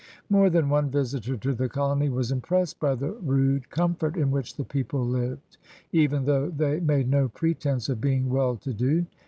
More than one visitor to the colony was impressed by the rude comfort in which the people lived, even though they made no pretense of being well to do.